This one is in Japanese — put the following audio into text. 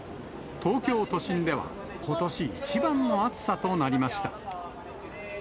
東京都心ではことし一番の暑さとなりました。